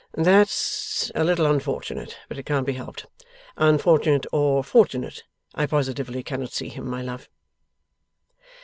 'That's a little unfortunate, but it can't be helped. Unfortunate or fortunate, I positively cannot see him, my love.